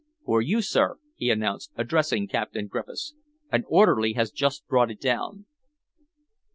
"For you, sir," he announced, addressing Captain Griffiths. "An orderly has just brought it down."